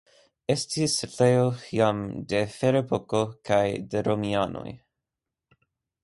Estis setlejo jam de la Ferepoko kaj de romianoj.